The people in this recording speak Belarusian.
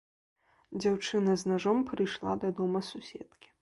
Дзяўчына з нажом прыйшла да дома суседкі.